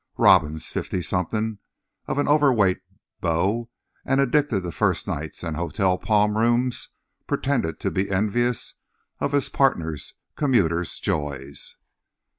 Robbins, fifty, something of an overweight beau, and addicted to first nights and hotel palm rooms, pretended to be envious of his partner's commuter's joys.